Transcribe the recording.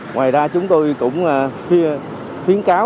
ngoài ra chúng tôi cũng khuyến cáo